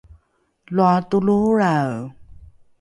loa toloholrae!